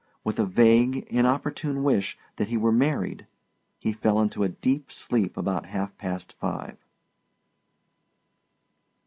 With a vague, inopportune wish that he were married, he fell into a deep sleep about half past five.